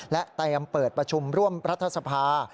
และเตรียมเปิดประชุมร่วมรัฐสภา